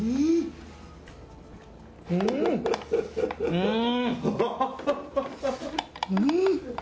うん！